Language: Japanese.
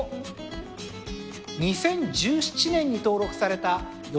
２０１７年に登録されたよ